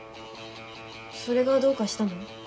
それがどうかしたの？